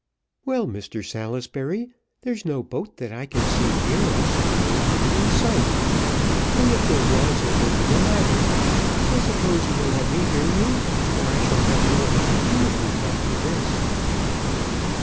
"Well, Mr Salisbury, there's no boat that I can see near us, or even in sight; and if there was it were little matter. I suppose you will let me hear you, for I shall have little opportunity after this?"